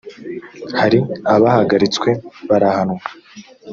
hari abahagaritswe barahanwa